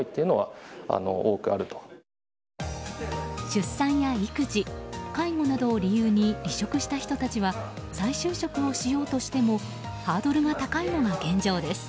出産や育児、介護などを理由に離職した人たちは再就職しようとしてもハードルが高いのが現状です。